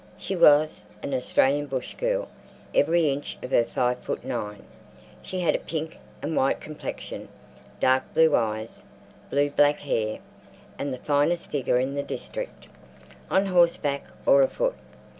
She was an Australian bush girl, every inch of her five foot nine; she had a pink and white complexion, dark blue eyes, blue black hair, and "the finest figure in the district," on horseback or afoot.